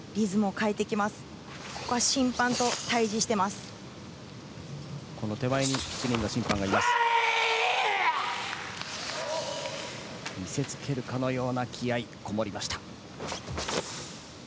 見せつけるかのような気合がこもりました。